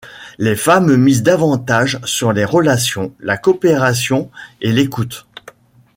Les femmes misent davantage sur les relations, la coopération et l'écoute.